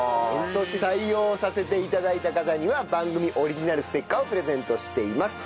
そして採用させて頂いた方には番組オリジナルステッカーをプレゼントしています。